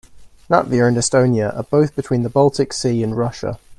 Latvia and Estonia are both between the Baltic Sea and Russia.